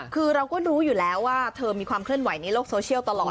คือเราก็รู้อยู่แล้วว่าเธอมีความเคลื่อนไหวในโลกโซเชียลตลอด